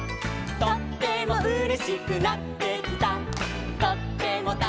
「とってもたのしくなってきた」